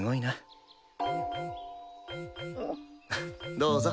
どうぞ。